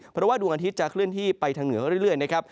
เพราะว่าดวงอาทิตย์จะเคลื่อนที่ไปทางเหนือเรื่อยนะครับ